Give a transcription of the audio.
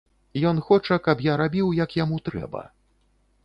Ён хоча, каб я рабіў, як яму трэба.